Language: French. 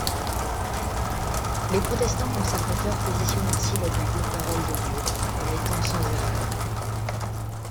Les protestants conservateurs positionnent ainsi la bible, Parole de Dieu, comme étant sans erreur.